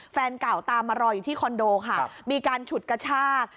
แฟนเก่าตามมารออยู่ที่คอนโดค่ะมีการฉุดกระชาก